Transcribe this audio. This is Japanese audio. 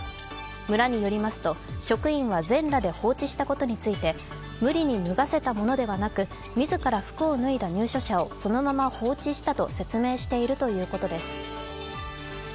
村によりますと、職員は全裸で放置したことについて無理に脱がせたものではなく自ら服を脱いだ入所者をそのまま放置したと説明しているということです。